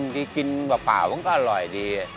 กินเปล่ามันก็อร่อยดี